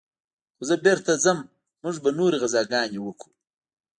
خو زه بېرته ځم موږ به نورې غزاګانې وكو.